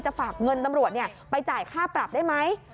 ฝากเงินตำรวจไปจ่ายค่าปรับได้ไหม